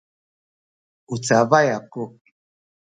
u cabay aku